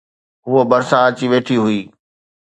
هوءَ ڀرسان اچي ويٺي هئي